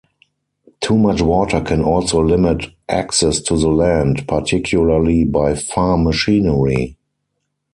Too much water can also limit access to the land, particularly by farm machinery.